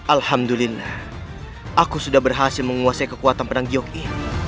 alhamdulillah aku sudah berhasil menguasai kekuatan perang gyoge